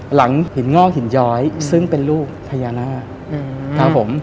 หลังหินงอกหินย้อยซึ่งเป็นลูกภรรยานา